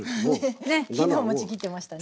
昨日もちぎってましたね。